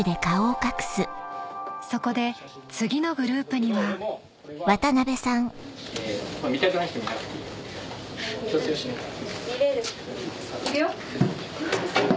そこで次のグループには。見れる人いくよ。